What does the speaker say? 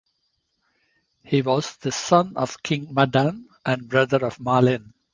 He was the son of King Maddan and brother of Malin.